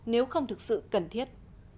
nếu không thực sự cần thiết